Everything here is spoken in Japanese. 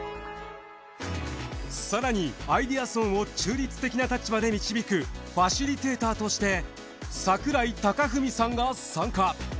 更にアイデアソンを中立的な立場で導くファシリテーターとして桜井貴史さんが参加。